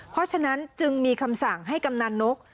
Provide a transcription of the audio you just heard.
เพราะฉะนั้นจึงมีคำสั่งให้กำนันนก